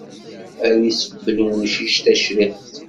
Ad isebbel umcic tacriḥt.